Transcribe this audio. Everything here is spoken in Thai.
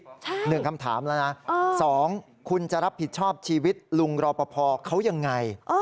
หนึ่งคำถามแล้วนะสองคุณจะรับผิดชอบชีวิตลุงรอปภเขายังไง